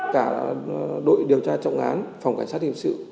cả đội điều tra trọng án phòng cảnh sát hình sự